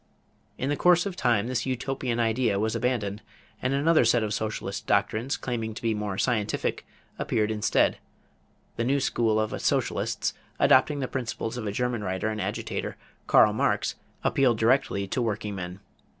In the course of time this "Utopian" idea was abandoned, and another set of socialist doctrines, claiming to be more "scientific," appeared instead. The new school of socialists, adopting the principles of a German writer and agitator, Karl Marx, appealed directly to workingmen.